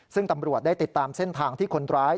ซึ่งตำรวจได้ติดตามเส้นทางที่คนร้าย